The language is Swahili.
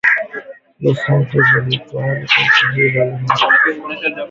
Dos Santos aliyetawala taifa hilo lenye utajiri mkubwa wa mafuta kuanzia